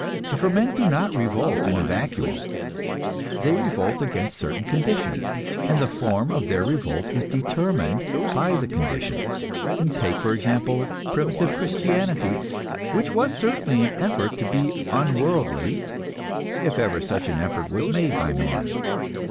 For men do not revolt in a vacuum, they revolt against certain conditions, and the form of their revolt is determined by the conditions. Take, for example, primitive Christianity, which was certainly an effort to be unworldly, if ever such an effort was made by man.